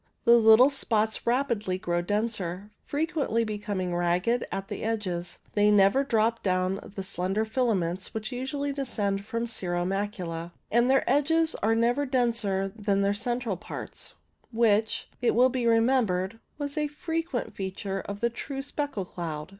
The little spots rapidly grow denser, frequently becoming ragged at the edges ; they never drop down the slender filaments which usually descend from cirro macula, and their edges are never denser than their central parts, which, it will be remembered, was a frequent feature of the true speckle cloud.